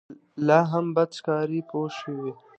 لا هم بد ښکاري پوه شوې!.